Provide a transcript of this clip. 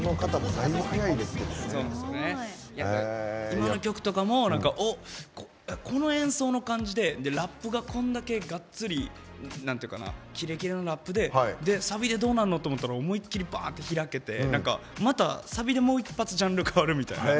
今の曲とかも何かこの演奏の感じでラップがこんだけがっつりキレキレのラップでサビでどうなるのと思ったら思いっきりバッと開けて何かまたサビでもう一発ジャンル変わるみたいな。